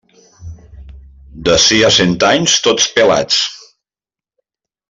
D'ací a cent anys, tots pelats.